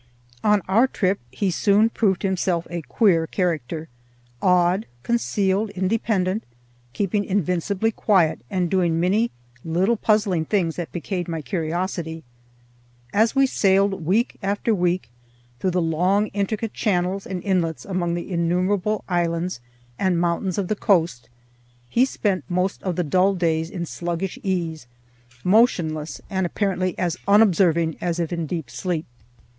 On our trip he soon proved himself a queer character—odd, concealed, independent, keeping invincibly quiet, and doing many little puzzling things that piqued my curiosity. As we sailed week after week through the long intricate channels and inlets among the innumerable islands and mountains of the coast, he spent most of the dull days in sluggish ease, motionless, and apparently as unobserving as if in deep sleep.